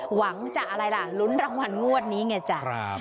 หวังจะอะไรล่ะลุ้นรางวัลงวดนี้ไงจ้ะ